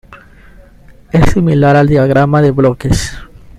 Es similar al Diagrama de bloques.